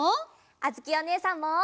あづきおねえさんも！